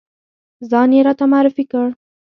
ځان یې راته معرفی کړ.